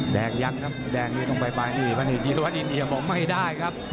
แดกยังครับต้องไปไปพะนี่พ้ายี่ทีบวัดอินเฮียบอกไม่ได้ครับ